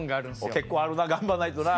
結構あるな頑張らないとな。